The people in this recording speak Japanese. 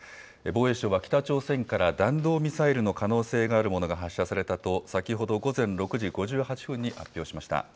防衛省は北朝鮮から弾道ミサイルの可能性があるものが発射されたと先ほど午前６時５８分に発表しました。